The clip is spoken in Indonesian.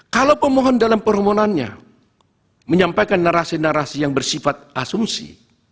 kalau pemohon dalam permohonannya menyampaikan narasi narasi yang bersifat asumsi